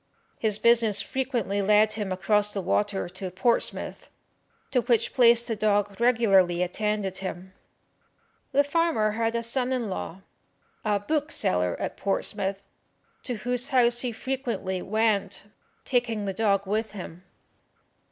His business frequently led him across the water to Portsmouth, to which place the dog regularly attended him. The farmer had a son in law, a bookseller at Portsmouth, to whose house he frequently went, taking the dog with him.